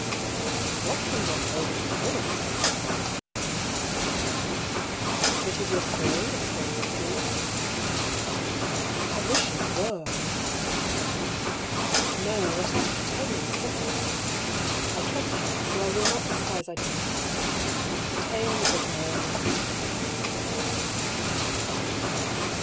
" The doctrines are as old as the hills, Dr. Paull," said Helven. " But is your story a story of dreams ?"" I wish it were I " said Hugh. " No, what I have to tell you is simple fact. I trust you ; so I will not disguise identities. The tale is of my own life."